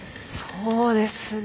そうですね。